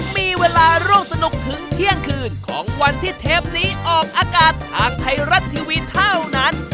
มีเวลาร่วมสนุกถึงเที่ยงคืนของวันที่เทปนี้ออกอากาศทางไทยรัฐทีวีเท่านั้น